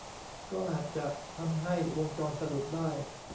ก็อาจจะทำให้วงจรสะดุดได้